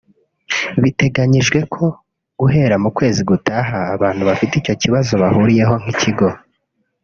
biteganyijwe ko guhera mu kwezi gutaha abantu bafite icyo bahuriyeho nk’ikigo